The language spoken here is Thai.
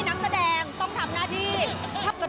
นักแสดงต้องทำหน้าที่